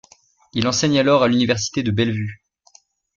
Il enseigne alors à l'université de Bellevue.